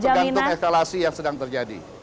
sangat bergantung eskalasi yang sedang terjadi